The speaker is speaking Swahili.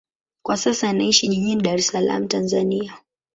Kwa sasa anaishi jijini Dar es Salaam, Tanzania.